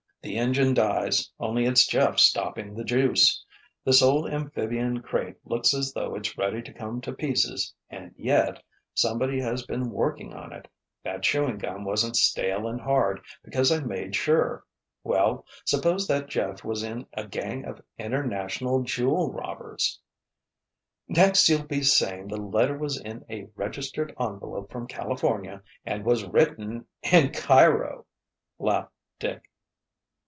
The engine dies, only it's Jeff stopping the 'juice.' This old amphibian crate looks as though it's ready to come to pieces and yet, somebody has been working on it—that chewing gum wasn't stale and hard, because I made sure. Well—suppose that Jeff was in a gang of international jewel robbers——" "Next you'll be saying the letter was in a registered envelope from California and was written in Cairo!" laughed Dick.